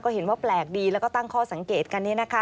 เห็นว่าแปลกดีแล้วก็ตั้งข้อสังเกตกันนี้นะคะ